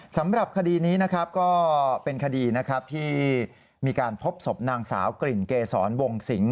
สำหรับคดีนี้นะครับก็เป็นคดีนะครับที่มีการพบศพนางสาวกลิ่นเกษรวงสิง